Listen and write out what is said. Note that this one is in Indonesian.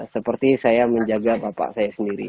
seperti saya menjaga bapak saya sendiri